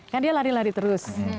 kan dia lari lari terus